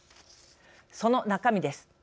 その中身です。